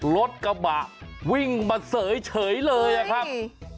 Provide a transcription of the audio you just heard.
รถกระบะวิ่งมาเสยเฉยเลยอะครับ